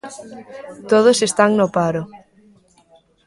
Todos están no paro.